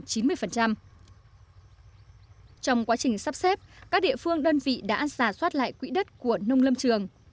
trong quá trình sắp xếp các địa phương đơn vị đã giả soát lại quỹ đất của nông lâm trường